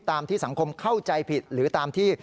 ที่สังคมเข้าใจผิดหรือตามที่